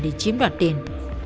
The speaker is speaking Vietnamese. để chiếm đoạt tiền